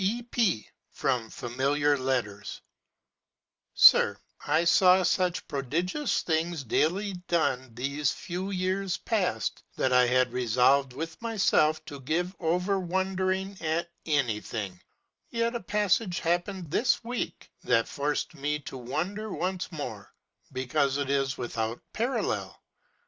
E. P.From Familiar LettersSIR—I saw such prodigious things daily done these few years past, that I had resolved with myself to give over wondering at anything, yet a passage happened this week, that forced me to wonder once more, because it is without parallel.